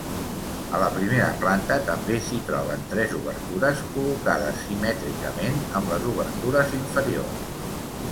A la primera planta també s'hi troben tres obertures col·locades simètricament amb les obertures inferiors.